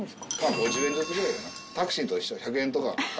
５０円ずつぐらいタクシーと一緒で１００円とか。